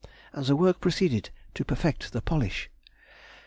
and the work proceeded to perfect the polish.